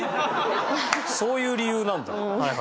そういう理由なんだ。